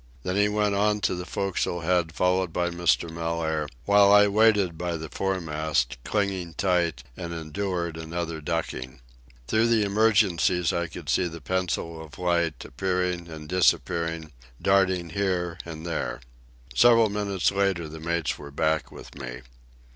Then he went on to the forecastle head, followed by Mr. Mellaire, while I waited by the foremast, clinging tight, and endured another ducking. Through the emergencies I could see the pencil of light, appearing and disappearing, darting here and there. Several minutes later the mates were back with me.